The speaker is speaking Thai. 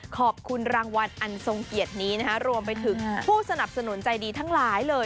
ขอบคุณรางวัลอันทรงเกียรตินี้นะคะรวมไปถึงผู้สนับสนุนใจดีทั้งหลายเลย